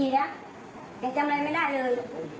๓๔นะแกจำแรงไม่ได้เลย